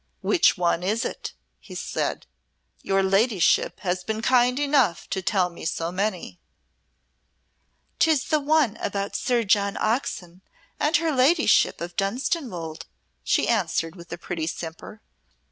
"Which one is it?" he said. "Your ladyship has been kind enough to tell me so many." "'Tis the one about Sir John Oxon and her ladyship of Dunstanwolde," she answered, with a pretty simper.